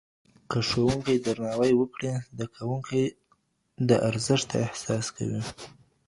که ښوونکی درناوی وکړي، زده کوونکي د ارزښته احساس کوي.